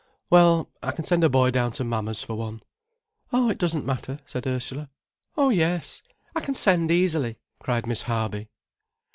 —Well, I can send a boy down to mamma's for one." "Oh, it doesn't matter," said Ursula. "Oh, yes—I can send easily," cried Miss Harby.